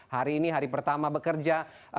hari ini hari pertama bekerja